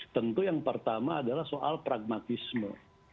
tentu yang pertama adalah soal pragmatisme